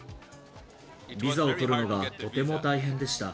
ビザを取るのがとても大変でした。